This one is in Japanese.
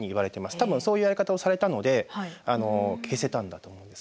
多分そういうやり方をされたので消せたんだと思うんですね。